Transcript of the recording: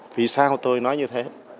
vì sao tôi nói như thế